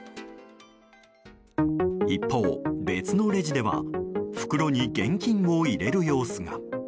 一方、別のレジでは袋に現金を入れる様子が。